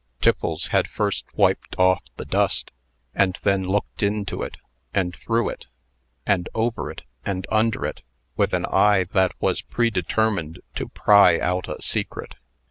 Tiffles had first wiped off the dust, and then looked into it, and through it, and over it, and under it, with an eye that was predetermined to pry out a secret.